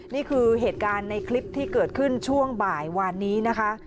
นี่คือเหตุการณ์ในคลิปที่เกิดขึ้นช่วงบ่ายวานนี้นะคะ